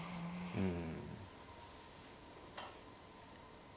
うん。